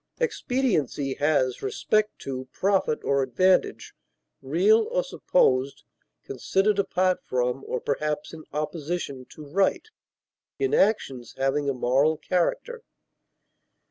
Expediency has respect to profit or advantage, real or supposed, considered apart from or perhaps in opposition to right, in actions having a moral character.